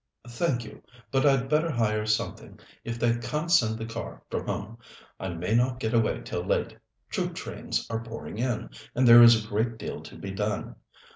"Thank you; but I'd better hire something if they can't send the car from home. I may not get away till late. Troop trains are pouring in, and there is a great deal to be done.